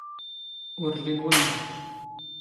ⵓⵔ ⵍⵍⵉⵏ ⵡⴰⵎⴰⵏ.